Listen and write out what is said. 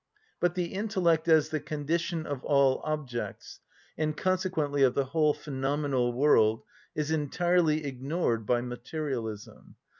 But the intellect as the condition of all objects, and consequently of the whole phenomenal world, is entirely ignored by materialism.